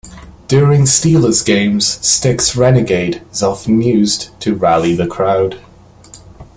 During Steelers games, Styx's "Renegade" is often used to rally the crowd.